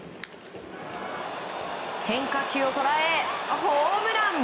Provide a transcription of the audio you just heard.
変化球を捉えホームラン！